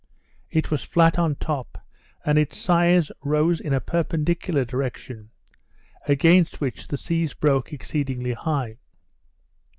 It was flat at top, and its sides rose in a perpendicular direction, against which the sea broke exceedingly high.